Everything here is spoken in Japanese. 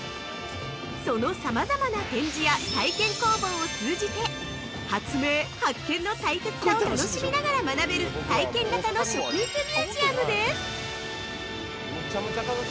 そのさまざまな展示や体験工房を通じて発明・発見の大切さを楽しみながら学べる体験型の食育ミュージアムです。